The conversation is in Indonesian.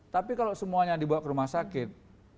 tapi kalau semuanya dibawa ke rumah sakit